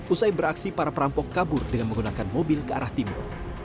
usai beraksi para perampok kabur dengan menggunakan mobil ke arah timur